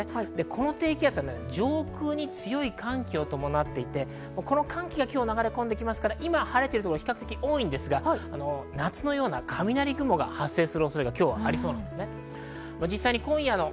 この低気圧は上空に強い寒気を伴っていて、この寒気が今日流れ込んできますから今、晴れてるところ比較的多いんですが、夏のような雷雲が発生する恐れが今日はありそうなんです。